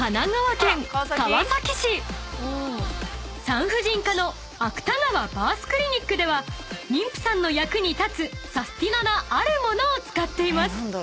［産婦人科の芥川バースクリニックでは妊婦さんの役に立つサスティななある物を使っています］